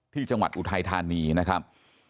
ที่จังหวัดอุทัยธานีนะครับ